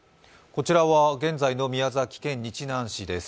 こちらは現在の宮崎県日南市です。